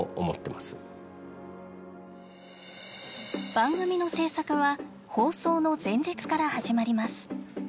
番組の制作は放送の前日から始まります。